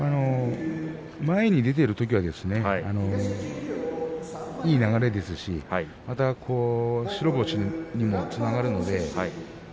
前に出てているときにはいい流れですし白星につながるので。